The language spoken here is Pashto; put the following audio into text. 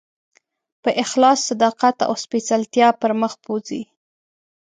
په اخلاص، صداقت او سپېڅلتیا پر مخ بوځي.